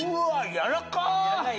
やらかい？